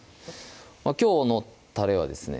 きょうのタレはですね